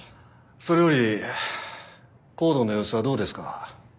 それよりＣＯＤＥの様子はどうですか？